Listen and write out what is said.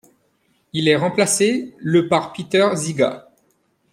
Il est remplacé le par Peter Žiga.